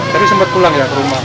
jadi sempat pulang ya ke rumah